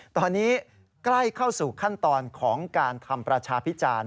ตอนนี้ใกล้เข้าสู่ขั้นตอนของการทำประชาพิจารณ์